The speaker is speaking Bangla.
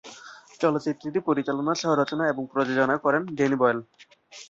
চলচ্চিত্রটি পরিচালনা, সহ-রচনা এবং প্রযোজনা করেন ড্যানি বয়েল।